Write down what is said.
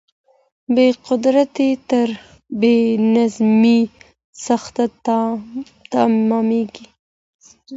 بې قدرتي تر بې نظمۍ سخته تماميږي.